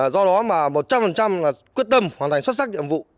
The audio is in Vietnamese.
do đó mà một trăm linh quyết tâm hoàn thành xuất sắc nhiệm vụ